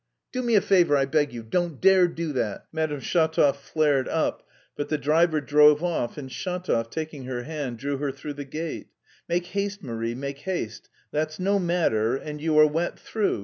"Do me a favour, I beg you, don't dare to do that!" Madame Shatov flared up, but the driver drove off and Shatov, taking her hand, drew her through the gate. "Make haste, Marie, make haste... that's no matter, and... you are wet through.